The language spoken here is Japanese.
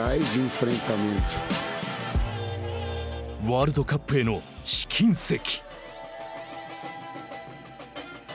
ワールドカップへの試金石。